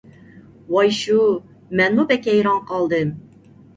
ۋاي شۇ، مەنمۇ بەك ھەيران قالدىم.